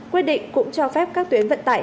quyết định cũng cho phép các tuyến vận tải